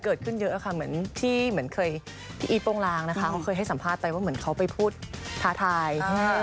เกิดขึ้นเยอะค่ะเหมือนที่อีฟโปรงรางเคยให้สัมภาษติว่าเหมือนเขาไปพูดพ่อทาย